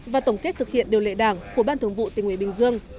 và tổng kết thực hiện điều lệ đảng của ban thường vụ tỉnh uỷ bình dương